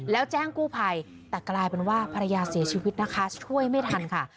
แล้วแจ้งกู้ภัยแต่กลายเป็นว่าภรรยาเสียชีวิตนะคะช่วยไม่ทันค่ะ